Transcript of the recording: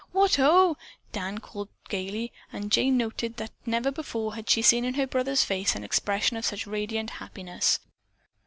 "What, ho!" Dan called gayly, and Jane noted that never before had she seen in her brother's face an expression of such radiant happiness.